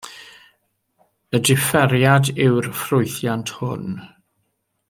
Y differiad yw'r ffwythiant hwn.